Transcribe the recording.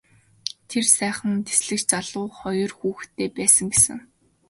Тэр сайхан дэслэгч залуу хоёр хүүхэдтэй байсан гэсэн.